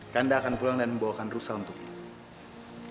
kanda akan pulang dan membawakan rusel untuknya